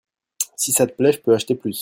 Si ça te plait je peux acheter plus.